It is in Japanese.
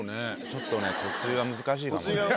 ちょっとね、骨湯は難しいかもね。